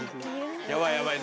やばいやばい。